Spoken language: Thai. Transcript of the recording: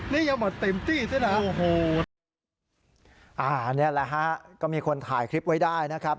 นี่แหละฮะก็มีคนถ่ายคลิปไว้ได้นะครับ